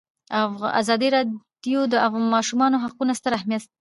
ازادي راډیو د د ماشومانو حقونه ستر اهميت تشریح کړی.